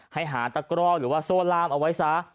หาตะกร่อหรือว่าโซ่ล่ามเอาไว้ซะ